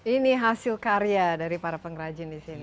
ini hasil karya dari para pengrajin di sini